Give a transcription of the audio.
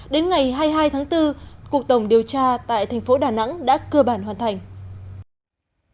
đến ngày hai mươi hai tháng bốn cuộc tổng điều tra tại thành phố đà nẵng đã cơ bản hoàn thành